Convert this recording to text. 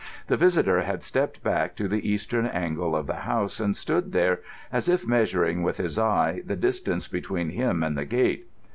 The visitor had stepped back to the eastern angle of the house, and stood there as if measuring with his eye the distance between him and the gate.